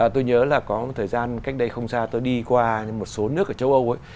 tôi nhớ là có một thời gian cách đây không xa tôi đi qua một số nước ở châu âu ấy